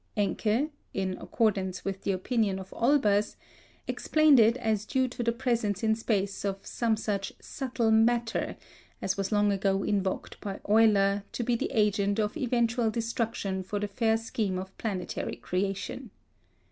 Encke (in accordance with the opinion of Olbers) explained it as due to the presence in space of some such "subtle matter" as was long ago invoked by Euler to be the agent of eventual destruction for the fair scheme of planetary creation.